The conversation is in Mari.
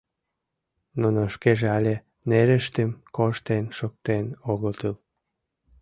Нуно шкеже але нерыштым коштен шуктен огытыл.